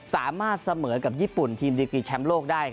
สามารถเสมอกับญี่ปุ่นทีมดิกรีแชมป์โลกได้